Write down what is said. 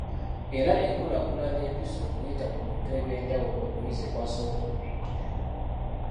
Era ekukulaakulanya empisa okuyita mu bintu eby’enjawulo omuyizi kw’asobola okuyigira.